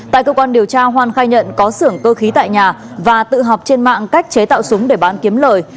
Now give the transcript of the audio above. tại cơ quan điều tra hoan khai nhận có xưởng cơ khí tại nhà và tự học trên mạng cách chế tạo súng để bán kiếm lời